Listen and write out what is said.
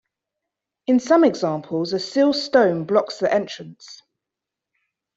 In some examples a sill stone blocks the entrance.